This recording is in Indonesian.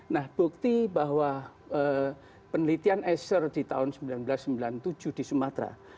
nah bukti bahwa penelitian eser di tahun seribu sembilan ratus sembilan puluh tujuh di sumatera